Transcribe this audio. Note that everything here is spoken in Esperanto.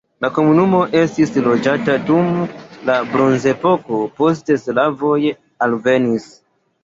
La komunumo estis loĝata dum la bronzepoko, poste slavoj alvenis.